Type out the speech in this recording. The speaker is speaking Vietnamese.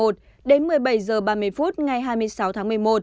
đến một mươi bảy h ba mươi phút ngày hai mươi sáu tháng một mươi một